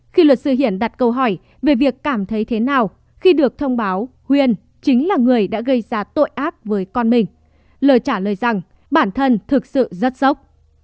khi luật sư hiển đặt câu hỏi về việc cảm thấy thế nào khi được thông báo huyên chính là người đã gây ra tội ác với con mình lời trả lời rằng bản thân thực sự rất sốc